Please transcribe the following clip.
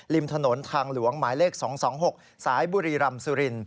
ริมถนนทางหลวงหมายเลข๒๒๖สายบุรีรำสุริน